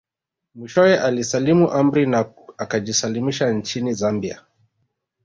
Mwishowe alisalimu amri na akajisalimisha nchini Zambia